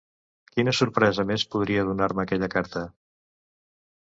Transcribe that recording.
Quina sorpresa més podria donar-me aquella carta...